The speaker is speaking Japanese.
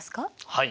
はい。